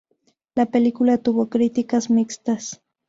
La película tuvo críticas mixtas.